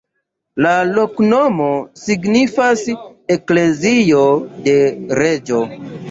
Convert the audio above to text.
La loknomo signifas: eklezio de reĝo.